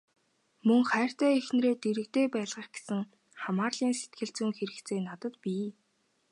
Мөн хайртай эхнэрээ дэргэдээ байлгах гэсэн хамаарлын сэтгэлзүйн хэрэгцээ надад бий.